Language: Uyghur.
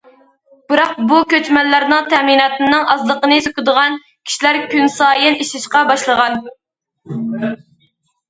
بىراق بۇ كۆچمەنلەرنىڭ تەمىناتىنىڭ ئازلىقىنى سۆكىدىغان كىشىلەر كۈنسايىن ئېشىشقا باشلىغان.